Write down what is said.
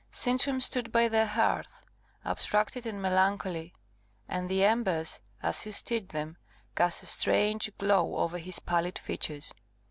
Sintram stood by the hearth, abstracted and melancholy; and the embers, as he stirred them, cast a strange glow over his pallid features.